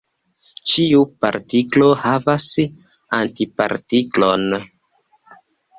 Ĉiu partiklo havas antipartiklon.